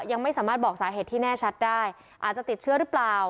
ยังไม่สามารถบอกสาเหตุที่แน่ชัดได้อาจจะติดเชื้อหรือเปล่า